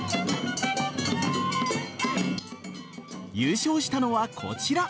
優勝したのはこちら。